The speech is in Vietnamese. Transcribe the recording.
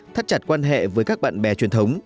thắt chặt quan hệ với các bạn bè truyền thống